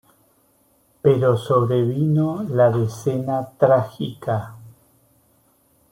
Pero sobrevino la Decena Trágica.